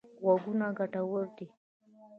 غوږونه ګټور دي.